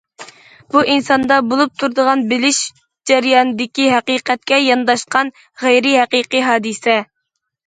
بۇ ئىنساندا بولۇپ تۇرىدىغان بىلىش جەريانىدىكى ھەقىقەتكە يانداشقان غەيرىي ھەقىقىي ھادىسە.